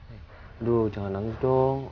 aduh jangan nangis dong